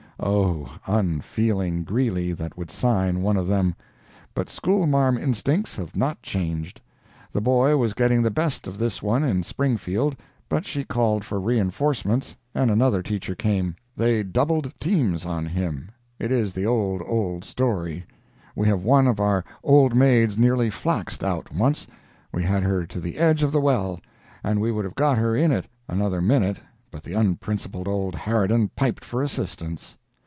Oh, unfeeling Greeley that would sign one of them! But schoolmarm instincts have not changed. The boy was getting the best of this one in Springfield, but she called for reinforcements, and another teacher came. They doubled teams on him. It is the old, old story. We had one of our old maids nearly flaxed out once—we had her to the edge of the well, and we would have got her in in another minute, but the unprincipled old harridan piped for assistance.